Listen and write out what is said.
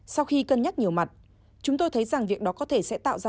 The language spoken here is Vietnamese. sau khi cân nhắc nhiều mặt chúng tôi thấy rằng việc đó có thể sẽ tạo ra